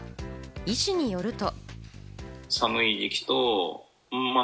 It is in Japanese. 医師によると。